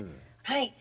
はい。